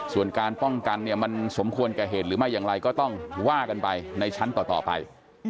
ส่วนการป้องกันเนี่ยมันสมควรแก่เหตุหรือไม่อย่างไรก็ต้องว่ากันไปในชั้นต่อไป